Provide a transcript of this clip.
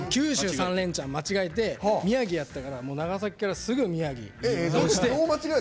３連チャン間違えて宮城やったから長崎からすぐ宮城に移動して。